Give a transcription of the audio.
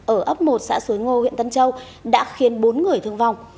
ở ấp một xã suối ngô huyện tân châu đã khiến bốn người thương vong